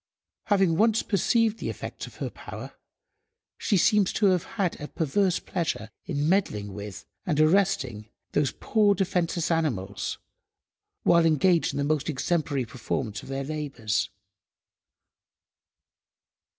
Having once perceived the effects of her power she seems to have had a perverse pleasure in meddling with and arresting those poor defenceless animals, while engaged in the most exemplary performance of their labours.